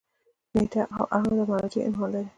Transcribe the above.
نیټه او د اړونده مرجع عنوان ولري.